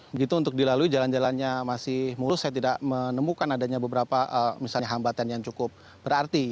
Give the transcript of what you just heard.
begitu untuk dilalui jalan jalannya masih mulus saya tidak menemukan adanya beberapa misalnya hambatan yang cukup berarti